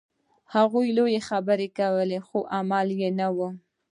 هغوی لوړې خبرې کولې، خو عمل نه و.